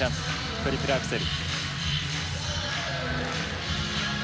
トリプルアクセル！